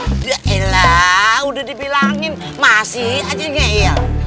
udah elah udah dibilangin masih aja ngeil